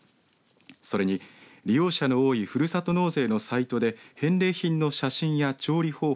それに利用者の多いふるさと納税のサイトで返礼品の写真や調理方法